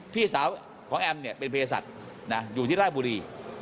พี่สาวของแอมเป็นเพศสัตว์อยู่ที่ร้ายบุรี